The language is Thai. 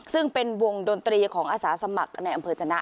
ซึ่งเป็นวงดนตรีของอาสาสมัครในอำเภอจนะ